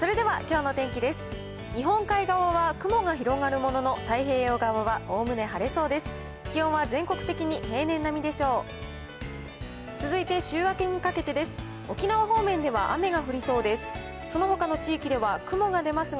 日本海側は雲が広がるものの、太平洋側はおおむね晴れそうです。